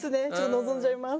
望んじゃいます。